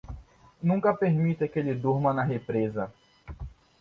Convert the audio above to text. Nunca permita que ele durma na represa.